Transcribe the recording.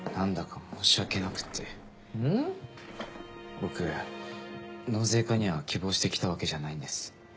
僕納税課には希望して来たわけじゃないんです。